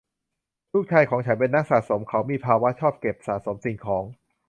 ลูกชายของฉันเป็นนักสะสม : เขามีภาวะชอบเก็บสะสมสิ่งของ